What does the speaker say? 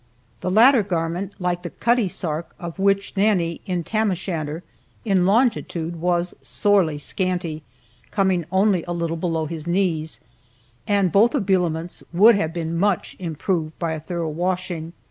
The latter garment, like the "cuttie sark" of witch Nannie in "Tam O'Shanter," "in longitude was sorely scanty," coming only a little below his knees, and both habiliments would have been much improved by a thorough washing.